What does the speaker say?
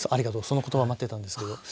その言葉待ってたんですけど。